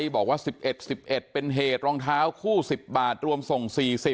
บอกว่า๑๑เป็นเหตุรองเท้าหลองเท้าคู่๑๐บาทรวมส่ง๔๐